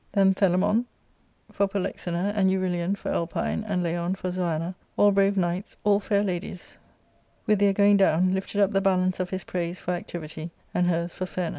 Then Thelamon for Polex ena, and Eurilion for Elpine, and Leon for Zoana, all brave knights, all fair ladies, with their going down, lifted up the balance of his praise for activity, and hers for fairness.